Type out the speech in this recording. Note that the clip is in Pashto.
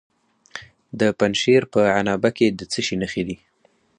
د پنجشیر په عنابه کې د څه شي نښې دي؟